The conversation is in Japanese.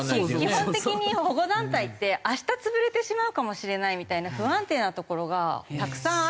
基本的に保護団体って明日潰れてしまうかもしれないみたいな不安定なところがたくさんあるので。